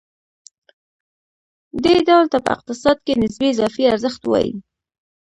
دې ډول ته په اقتصاد کې نسبي اضافي ارزښت وايي